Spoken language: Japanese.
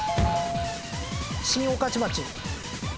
新御徒町。